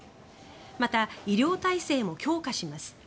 また、医療体制も強化します。